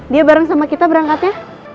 dia bareng sama kita berangkatnya